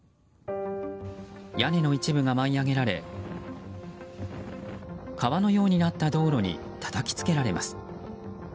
屋根の一部が舞い上げられ川のようになった道路にたたき付けられます。